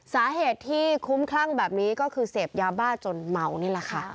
สาเหตุที่คุ้มคลั่งแบบนี้ก็คือเสพยาบ้าจนเมานี่แหละค่ะ